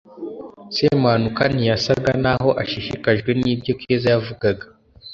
semuhanuka ntiyasaga naho ashishikajwe nibyo keza yavugaga